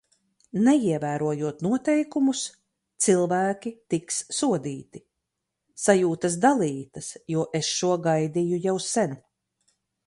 Neievērojot noteikumus, cilvēki tiks sodīti. Sajūtas dalītas, jo es šo gaidīju jau sen.